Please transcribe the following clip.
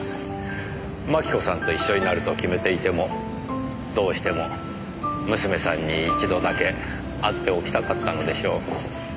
真紀子さんと一緒になると決めていてもどうしても娘さんに一度だけ会っておきたかったのでしょう。